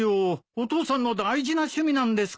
お父さんの大事な趣味なんですから。